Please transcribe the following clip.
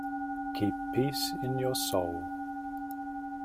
Keep peace in your soul.